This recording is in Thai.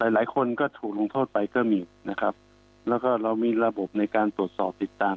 หลายคนก็ถูกลงโทษไปก็มีนะครับแล้วก็เรามีระบบในการตรวจสอบติดตาม